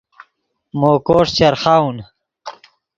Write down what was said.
مو کوݰ چرخاؤن